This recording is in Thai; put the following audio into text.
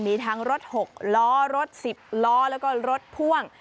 มีทั้งรถ๖ล้อรถ๑๐ล้อแล้วก็รถพ่วง